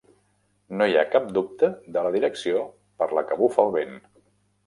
No hi ha cap dubte de la direcció per la que bufa el vent.